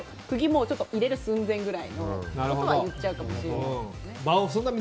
釘を入れる寸前ぐらいまでは言っちゃうかもしれないです。